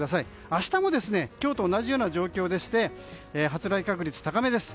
明日も今日と同じような状況でして発雷確率高めです。